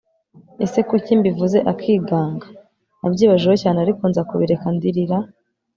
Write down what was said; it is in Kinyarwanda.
ese kuki mbivuze akiganga!? nabyibajijeho cyane ariko nza kubireka ndirira